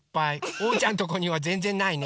おうちゃんとこにはぜんぜんないね。